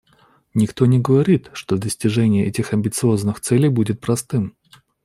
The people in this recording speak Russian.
Никто не говорит, что достижение этих амбициозных целей будет простым.